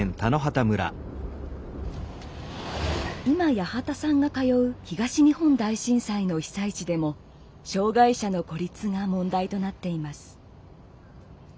今八幡さんが通う東日本大震災の被災地でも障害者の孤立が問題となっています。